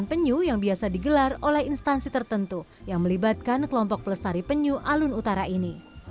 penyu yang biasa digelar oleh instansi tertentu yang melibatkan kelompok pelestari penyu alun utara ini